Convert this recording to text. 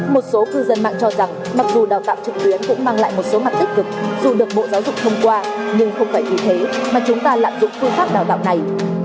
một số cư dân mạng cho rằng mặc dù đào tạo trực tuyến cũng mang lại một số mặt tích cực dù được bộ giáo dục thông qua nhưng không phải vì thế mà chúng ta lạm dụng phương pháp đào tạo này